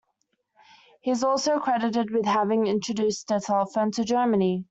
He is also credited with having introduced the telephone to Germany.